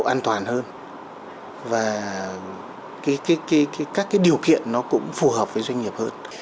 cái độ an toàn hơn và các cái điều kiện nó cũng phù hợp với doanh nghiệp hơn